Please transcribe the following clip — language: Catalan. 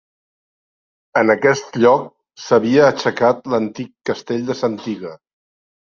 En aquest lloc s'havia aixecat l'antic castell de Santiga.